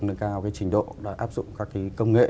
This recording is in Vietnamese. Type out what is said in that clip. nâng cao cái trình độ đã áp dụng các cái công nghệ